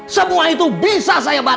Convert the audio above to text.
semua itu bisa saya baca